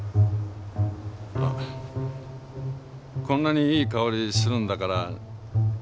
こんなにいい香りするんだから。